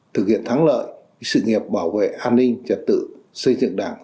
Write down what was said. thực hiện thắng lợi sự nghiệp bảo vệ an ninh trật tự xây dựng đảng